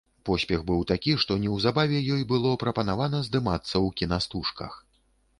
Поспех быў такі, што неўзабаве ёй было прапанавана здымацца ў кінастужках.